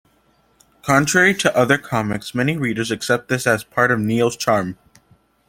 Contrary to other comics, many readers accept this as part of "Nero"'s charm.